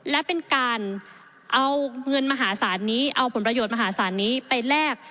และเป็นการเอาเงินมหาศาลนี้เอาผลประโยชน์มหาศาลนี้ไปแลก